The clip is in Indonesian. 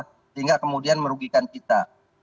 sehingga kemudian merugikan kita